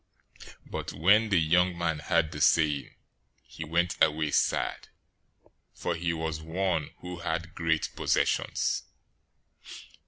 019:022 But when the young man heard the saying, he went away sad, for he was one who had great possessions.